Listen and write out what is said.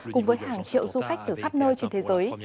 cùng với hàng triệu du khách từ khắp nơi trên thế giới